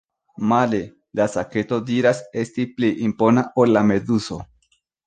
Male, la saketo diras esti pli impona ol la meduzo.